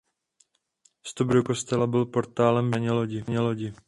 Vstup do kostela byl portálem v jižní straně lodi.